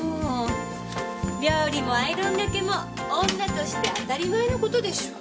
料理もアイロンがけも女として当たり前の事でしょ？